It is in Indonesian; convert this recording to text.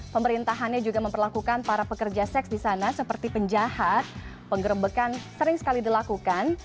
pemerintahannya juga memperlakukan para pekerja seks di sana seperti penjahat penggerbekan sering sekali dilakukan